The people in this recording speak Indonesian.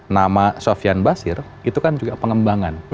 nama sofian basir itu kan juga pengembangan